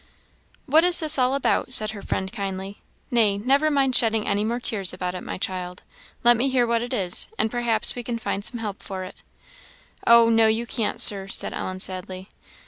"What is all this about?" said her friend, kindly. "Nay, never mind shedding any more tears about it, my child. Let me hear what it is, and perhaps we can find some help for it." "Oh, no! you can't, Sir," said Ellen, sadly.